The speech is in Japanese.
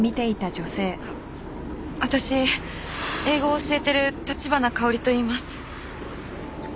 私英語を教えてる立花かおりといいます。